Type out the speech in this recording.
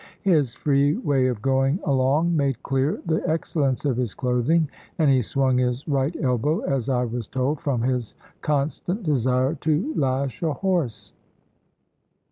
His free way of going along made clear the excellence of his clothing; and he swung his right elbow, as I was told, from his constant desire to lash a horse.